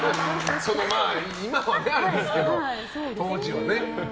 今はあれですけど、当時はね。